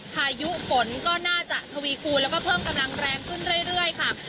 พายุฝนก็น่าจะทวีคูณแล้วก็เพิ่มกำลังแรงขึ้นเรื่อยค่ะ